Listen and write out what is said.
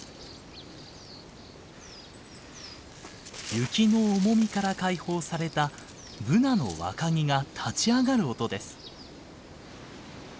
雪の重みから解放されたブナの若木が立ち上がる音です。